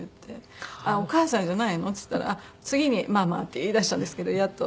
「お母さんじゃないの？」って言ったら「次にママ」って言い出したんですけどやっと。